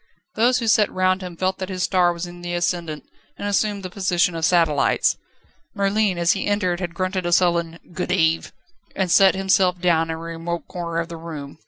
Those who sat round him felt that his star was in the ascendant and assumed the position of satellites. Merlin as he entered had grunted a sullen "Good eve," and sat himself down in a remote corner of the room.